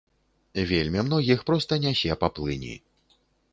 Вельмі многіх проста нясе па плыні.